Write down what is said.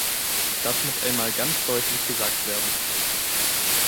Das muss einmal ganz deutlich gesagt werden!